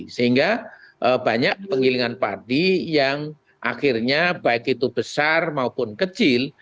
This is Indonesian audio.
sehingga banyak penggilingan padi yang akhirnya baik itu besar maupun kecil